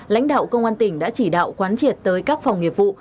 lãnh đạo công an tỉnh đã chỉ đạo quán triệt tới các phòng nghiệp vụ